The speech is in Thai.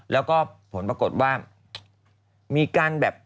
แล้วก็ผลปรากฏว่า